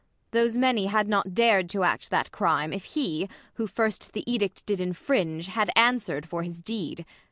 Those many had not dar'd to act that crime, If he, who first the edict did infringe, Had answer'd for his deed.